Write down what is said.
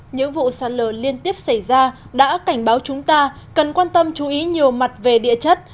những vụ sạt lở liên tiếp xảy ra đã cảnh báo chúng ta cần quan tâm chú ý nhiều mặt về địa chất